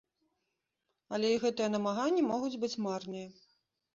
Але і гэтыя намаганні могуць быць марныя.